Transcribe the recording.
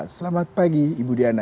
selamat pagi ibu diana